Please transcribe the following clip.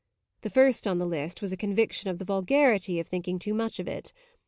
The first on the list was a conviction of the vulgarity of thinking too much of it.